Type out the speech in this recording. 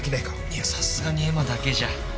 いやさすがに絵馬だけじゃ。